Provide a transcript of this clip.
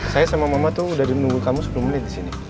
saya sama mama tuh udah menunggu kamu sepuluh menit disini